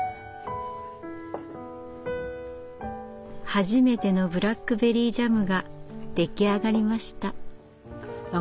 初めてのブラックベリージャムが出来上がりました。